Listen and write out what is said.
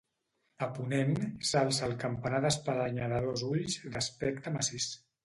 A ponent s'alça el campanar d'espadanya de dos ulls, d'aspecte massís.